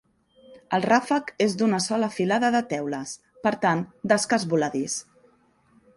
El ràfec és d'una sola filada de teules, per tant d'escàs voladís.